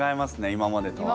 今までとは。